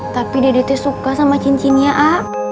tapi dedet suka sama cincinnya a